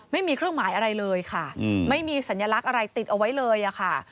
ไม่มีเครื่องหมายอะไรเลยค่ะไม่มีสัญลักษณ์อะไรติดเอาไว้เลยค่ะ